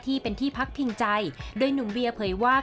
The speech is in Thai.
เราก็จะมีความรู้สึกเรื่องของความสูญเสียอยู่บ้างนะครับ